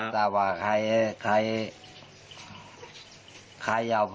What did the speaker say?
แต่ว่าใครยาวหึดกินเหล่าตายห่วง